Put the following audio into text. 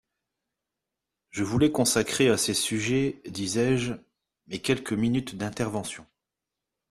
Je voulais consacrer à ces sujets, disais-je, mes quelques minutes d’intervention.